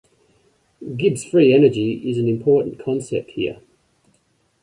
Gibbs free energy is an important concept here.